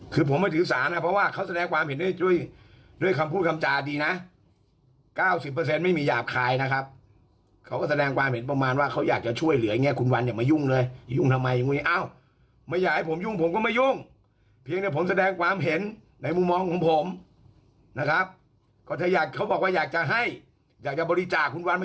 คือผมไม่ถือสารนะเพราะว่าเขาแสดงความเห็นด้วยจุ้ยด้วยคำพูดคำจาดีนะ๙๐ไม่มีหยาบคายนะครับเขาก็แสดงความเห็นประมาณว่าเขาอยากจะช่วยเหลืออย่างเงี้คุณวันอย่ามายุ่งเลยอย่ายุ่งทำไมอย่างนี้เอ้าไม่อยากให้ผมยุ่งผมก็ไม่ยุ่งเพียงแต่ผมแสดงความเห็นในมุมมองของผมนะครับก็ถ้าอยากเขาบอกว่าอยากจะให้อยากจะบริจาคคุณวันไม่